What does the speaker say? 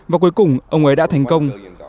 và cuối cùng ông ấy đã thành công